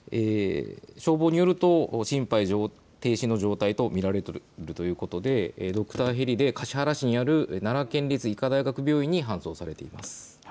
消防によると心肺停止の状態と見られるということでドクターヘリで橿原市にある奈良県立医科大学病院に搬送されています。